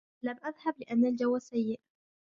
لم أذهب لأن الجو سيء.